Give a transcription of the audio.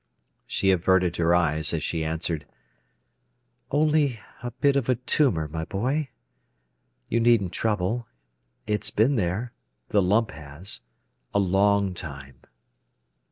She averted her eyes as she answered: "Only a bit of a tumour, my boy. You needn't trouble. It's been there—the lump has—a long time."